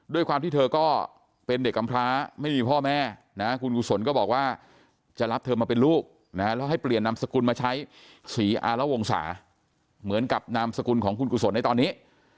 ด้วยความที่เธอก็เป็นเด็กกำพร้าไม่มีพ่อแม่นะคุณกุศลก็บอกว่าจะรับเธอมาเป็นลูกนะแล้วให้เปลี่ยนนามสกุลมาใช้สีอารวงศาเหมือนกับนามสกุลของคุณกุศลในตอนนี้